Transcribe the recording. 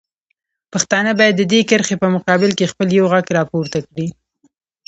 پښتانه باید د دې کرښې په مقابل کې خپل یو غږ راپورته کړي.